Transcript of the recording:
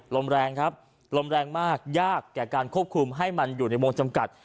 ลมแรงครับลมแรงมากยากแก่การควบคุมให้มันอยู่ในวงจำกัด